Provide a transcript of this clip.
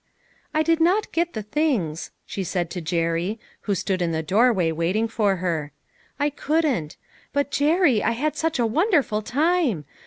" I did not get the things," she said to Jerry, who stood in the doorway waiting for her ;" I couldn't ; but, Jerry, I had such a wonderful time